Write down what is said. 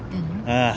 ああ。